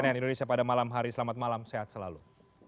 cnn indonesia pada malam hari selamat malam sehat selalu